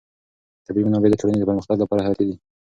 طبیعي منابع د ټولنې د پرمختګ لپاره حیاتي دي.